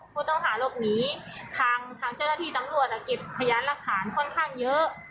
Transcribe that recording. ผู้ต้องหาหลบหนีทางทางเจ้าหน้าที่ตำรวจเก็บพยานหลักฐานค่อนข้างเยอะ